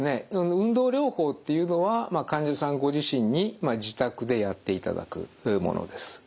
運動療法っていうのは患者さんご自身に自宅でやっていただくものです。